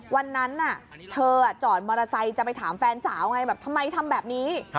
วันนั้นเธอจอดมอเตอร์ไซค์จะไปถามแฟนสาวไงแบบทำไมทำแบบนี้